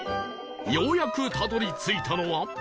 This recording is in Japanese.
ようやくたどり着いたのは